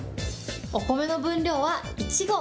お米の分量は１合。